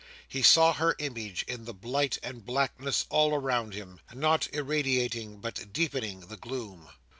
He saw her image in the blight and blackness all around him, not irradiating but deepening the gloom.